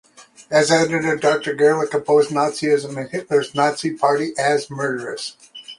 As editor, Doctor Gerlich opposed Nazism and Hitler's Nazi Party as "murderous".